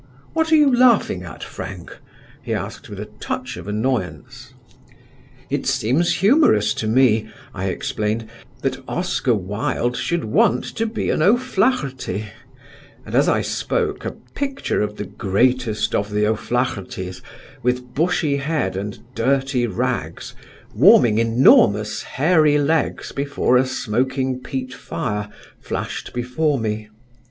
"What are you laughing at, Frank?" he asked with a touch of annoyance. "It seems humorous to me," I explained, "that Oscar Wilde should want to be an O'Flahertie," and as I spoke a picture of the greatest of the O'Flaherties, with bushy head and dirty rags, warming enormous hairy legs before a smoking peat fire, flashed before me.